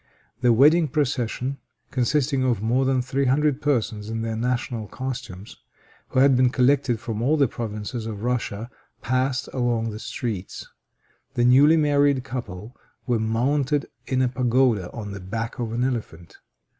The wedding procession, consisting of more than three hundred persons in their national costumes, who had been collected from all the provinces of Russia, passed along the streets. The newly married couple were mounted in a pagoda on the back of an elephant.